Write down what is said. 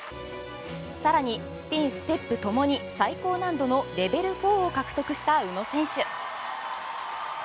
更にスピン、ステップともに最高難度のレベル４を獲得した宇野選手。